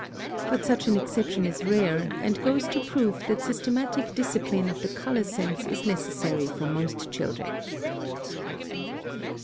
But such an exception is rare, and goes to prove that systematic discipline of the color sense is necessary for most children.